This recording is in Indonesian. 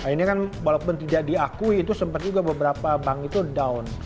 ini kan walaupun tidak diakui itu sempat juga beberapa bank itu down